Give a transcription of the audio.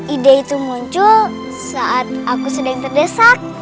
ide itu muncul saat aku sedang terdesak